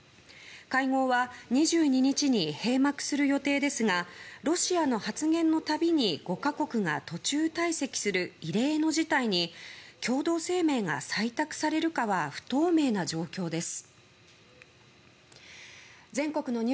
会合は２２日に閉幕する予定ですがロシアの発言のたびに５か国が途中退席する異例の事態に共同声明が採択されるかは不透明な状況です。